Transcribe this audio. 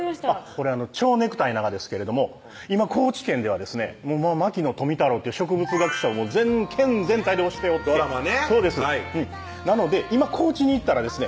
これちょうネクタイながですけれども今高知県ではですね牧野富太郎という植物学者を県全体で推しておってドラマねなので今高知に行ったらですね